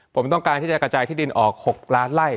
ผมต้องการที่จะกระจายที่ดินออก๖ล้านไล่